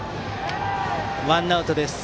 ワンアウトです。